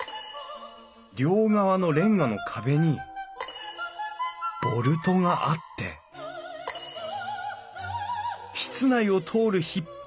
両側のれんがの壁にボルトがあって室内を通る引張